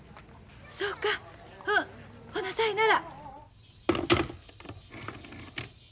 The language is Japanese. そうかうんほなさいなら。